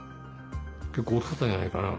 結構大きかったんじゃないかな。